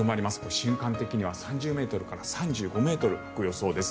瞬間的には３０ｍから３５ｍ吹く予想です。